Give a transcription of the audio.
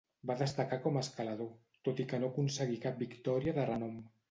Va destacar com a escalador, tot i que no aconseguí cap victòria de renom.